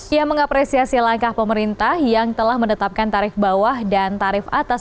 ia mengapresiasi langkah pemerintah yang telah menetapkan tarif bawah dan tarif atas